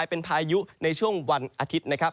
เป็นพายุในช่วงวันอาทิตย์นะครับ